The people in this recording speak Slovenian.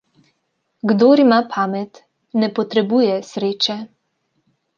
Kdor ima pamet, ne potrebuje sreče.